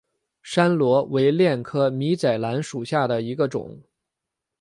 山椤为楝科米仔兰属下的一个种。